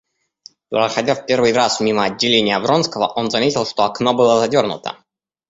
Проходя в первый раз мимо отделения Вронского, он заметил, что окно было задернуто.